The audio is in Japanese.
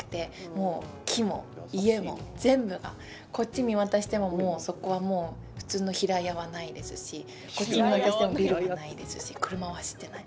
もう木も家も全部こっち見渡しても、もうそこは普通の平家はないですしこっち見渡してもビルはないですし車は走ってない。